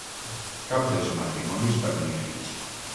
Cap dels matrimonis va tenir fills.